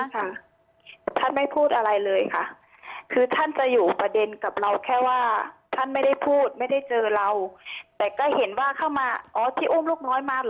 ท่านไม่พูดอะไรเลยค่ะคือท่านจะอยู่ประเด็นกับเราแค่ว่าท่านไม่ได้พูดไม่ได้เจอเราแต่ก็เห็นว่าเข้ามาอ๋อที่อุ้มลูกน้อยมาเหรอ